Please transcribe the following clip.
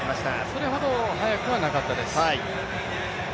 それほど速くはなかったです。